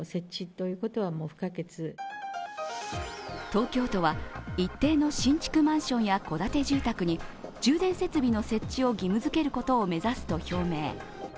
東京都は一定の新築マンションや戸建て住宅に充電設備の設置を義務づけることを目指すと表明。